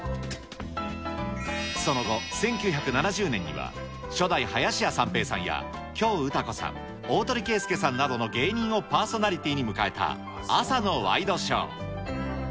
その後、１９７０年には初代林家三平さんや、京唄子さん、鳳啓助さんなどの芸人をパーソナリティーに迎えた朝のワイドショー。